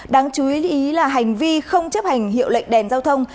đáng chú ý là hành vi không chấp hành hiệu lệnh đèn giao thông